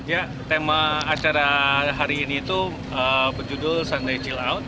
ya tema acara hari ini itu berjudul sunday chill out